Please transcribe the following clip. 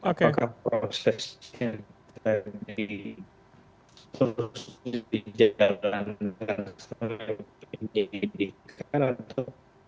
apakah prosesnya terjadi terus di jalanan dan selalu di pendidikan atau